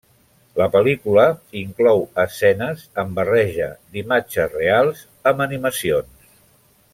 La pel·lícula inclou escenes amb barreja d'imatges reals amb animacions.